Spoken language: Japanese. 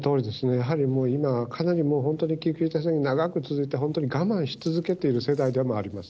やはり今、かなりもう本当に緊急事態宣言、長く続いて、本当に我慢し続けている世代でもあります。